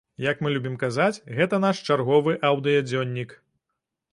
Як мы любім казаць, гэта наш чарговы аўдыёдзённік.